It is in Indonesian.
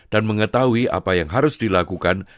dan mengetahui apa yang harus dilakukan